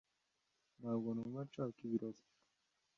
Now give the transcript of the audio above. ntabwo numva nshaka ibirori